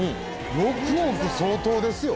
６億相当ですよ。